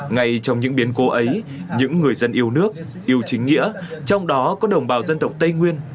ngay trong những biến cố ấy những người dân yêu nước yêu chính nghĩa trong đó có đồng bào dân tộc tây nguyên